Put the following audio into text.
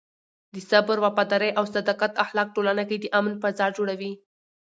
د صبر، وفادارۍ او صداقت اخلاق ټولنه کې د امن فضا جوړوي.